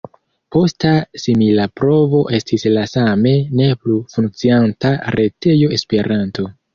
Posta simila provo estis la same ne plu funkcianta retejo Esperanto.